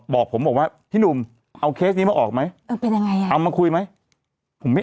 บอกผมบอกว่าพี่หนูเอาเคสมาออกไหมเอามาคุยไหมผมไม่